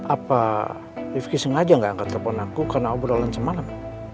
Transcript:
apa rifki sengaja gak angkat telepon aku karena obrolan semalam